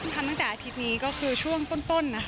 ทำตั้งแต่อาทิตย์นี้ก็คือช่วงต้นนะ